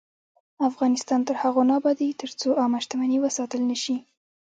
افغانستان تر هغو نه ابادیږي، ترڅو عامه شتمني وساتل نشي.